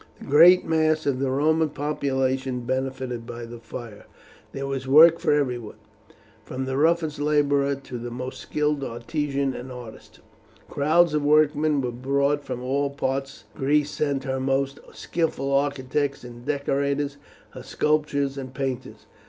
The great mass of the Roman population benefited by the fire. There was work for everyone, from the roughest labourer to the most skilled artisan and artist. Crowds of workmen were brought from all parts. Greece sent her most skilful architects and decorators, her sculptors and painters.